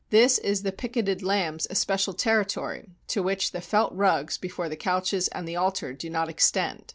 This is the picketed lambs' especial territory, to which the felt rugs before the couches and the altar do not extend.